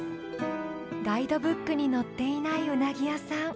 ガイドブックに載っていないうなぎ屋さん